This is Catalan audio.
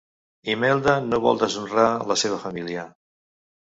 Imelda no vol deshonrar la seva família.